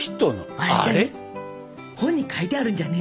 本に書いてあるんじゃね？